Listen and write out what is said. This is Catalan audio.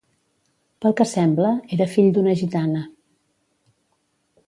Pel que sembla, era fill d'una gitana.